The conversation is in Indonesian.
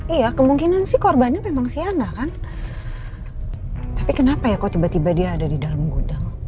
iya kemungkinan sih korbannya memang si anak kan tapi kenapa ya kok tiba tiba dia ada di dalam gudang